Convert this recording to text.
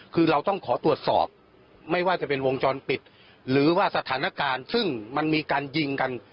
คือเราต้องขอตรวจสอบไม่ว่าจะเป็นวงจรปิดหรือว่าสถานการณ์ซึ่งมันมีการยิงกัน